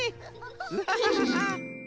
ウハハハハ。